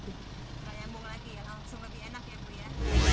langsung lebih enak ya bu ya